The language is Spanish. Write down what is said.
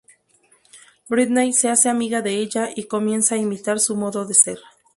Britney se hace amiga de ella y comienza a imitar su modo de ser.